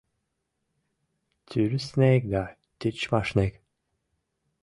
Тӱрыснек да тичмашнек!